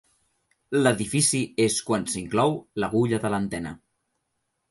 L'edifici és quan s'inclou l'agulla de l'antena.